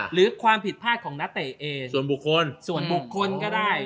หรือความผิดพลาดของนักเตะเอส่วนบุคคลส่วนบุคคลก็ได้